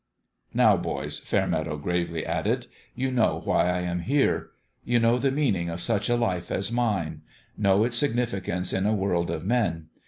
" Now, boys," Fairmeadow gravely added, " you know why I am here. You know the meaning of such a life as mine know its signifi cance in a world of men.